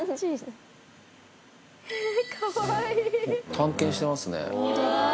探検してますね。